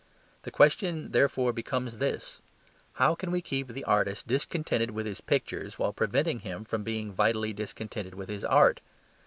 The question therefore becomes this: How can we keep the artist discontented with his pictures while preventing him from being vitally discontented with his art?